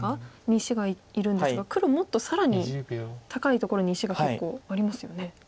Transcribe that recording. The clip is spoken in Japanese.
に石がいるんですが黒もっと更に高いところに石が結構ありますよね。